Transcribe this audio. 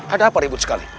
ada apa ribut sekali